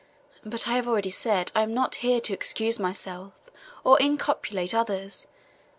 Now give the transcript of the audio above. But I have already said I am not here to excuse myself or inculpate others.